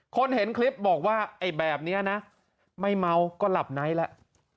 คนเห็นคลิปบอกว่าไอ้แบบนี้นะไม่เมาก็หลับในแล้ว